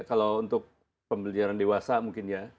kalau untuk pembelajaran dewasa mungkin